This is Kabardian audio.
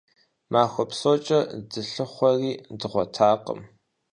Махуэ псокӀэ дылъыхъуэри дгъуэтакъым.